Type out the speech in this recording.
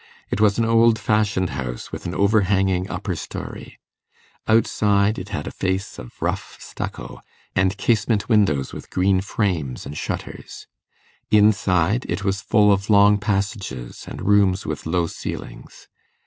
It was an old fashioned house, with an overhanging upper storey; outside, it had a face of rough stucco, and casement windows with green frames and shutters; inside, it was full of long passages, and rooms with low ceilings.